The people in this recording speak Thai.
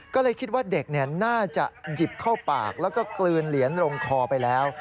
ก็เลยคิดว่าเด็กน่าจะหยิบเข้าปากแล้วก็กลืนเหรียญลงคอไปแล้ว